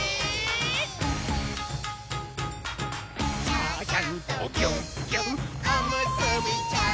「ちゃちゃんとぎゅっぎゅっおむすびちゃん」